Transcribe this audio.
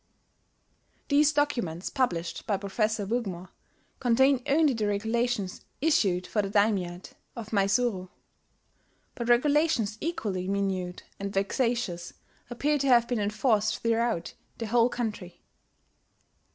... These documents published by Professor Wigmore contain only the regulations issued for the daimiate of Maizuru; but regulations equally minute and vexatious appear to have been enforced throughout the whole country.